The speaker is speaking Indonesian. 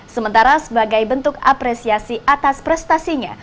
sementara sebagai bentuk apresiasi atas prestasinya